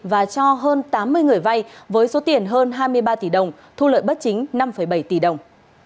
và cho hơn tám mươi người vay với số tiền hơn hai mươi ba tỷ đồng thu lợi bất chính năm bảy tỷ đồng